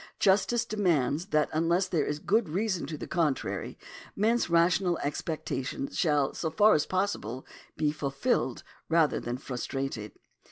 Justice demands that, unless there is good reason to the contrary, men's rational expectations shall, so far as possible, be fulfilled rather than frustrated.